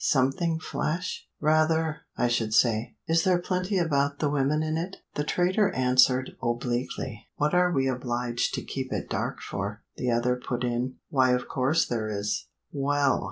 "Something flash?" "Rather, I should say." "Is there plenty about the women in it?" The trader answered obliquely. "What are we obliged to keep it dark for?" the other put in, "Why of course there is." "Well!"